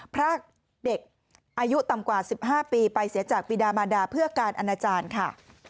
พรากเด็กอายุต่ำกว่า๑๕ปีไปเสียจากปีดามารดาเพื่อการอนาจารย์ค่ะ